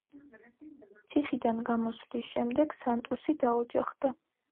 ციხიდან გამოსვლის შემდეგ სანტუსი დაოჯახდა.